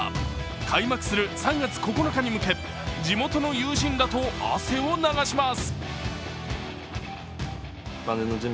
開幕する３月９日に向け、地元の友人らと汗を流します。